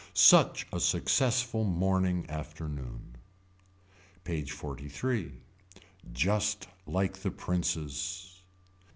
Such a successful morning afternoon. PAGE XLIII. Just like the prince's.